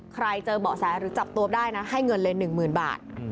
ใครเจอเบาะแซนหรือจับตัวได้นะให้เงินเลยหนึ่งหมื่นบาท